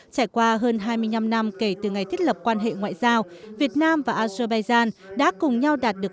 trải qua hơn hai mươi năm năm kể từ ngày thiết lập quan hệ ngoại giao việt nam và azerbaijan đã cùng nhau đạt được